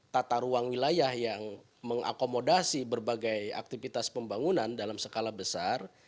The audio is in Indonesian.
tata ruang wilayah yang mengakomodasi berbagai aktivitas pembangunan dalam skala besar